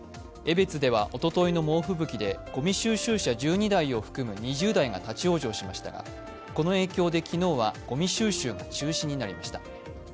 江別では、おとといの猛吹雪でごみ収集車１２台を含む２０台が立往生しましたが、この影響で昨日はごみ収集が中止になりました。